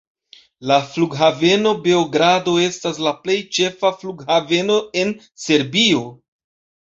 La Flughaveno Beogrado estas la plej ĉefa flughaveno en Serbio.